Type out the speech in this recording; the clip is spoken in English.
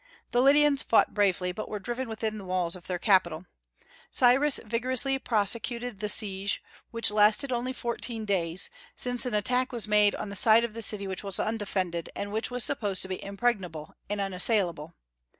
The Lydians fought bravely, but were driven within the walls of their capital. Cyrus vigorously prosecuted the siege, which lasted only fourteen days, since an attack was made on the side of the city which was undefended, and which was supposed to be impregnable and unassailable.